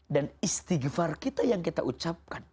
dan istighfar kita yang kita ucapkan